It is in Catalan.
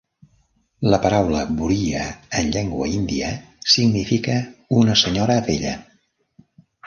La paraula'buriya'en llengua Índia significa'una senyora vella'.